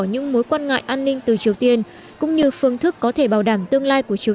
những mối quan ngại an ninh từ triều tiên cũng như phương thức có thể bảo đảm tương lai của triều